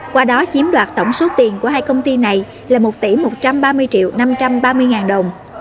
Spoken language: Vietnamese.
qua đó chiếm đoạt tổng số tiền của hai công ty này là một tỷ một trăm ba mươi triệu năm trăm ba mươi ngàn đồng